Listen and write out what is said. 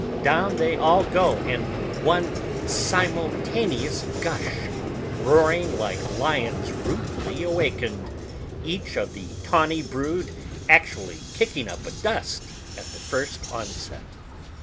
Down they all go in one simultaneous gush, roaring like lions rudely awakened, each of the tawny brood actually kicking up a dust at the first onset.